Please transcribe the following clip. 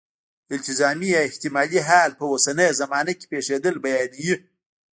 التزامي یا احتمالي حال په اوسنۍ زمانه کې پېښېدل بیانوي.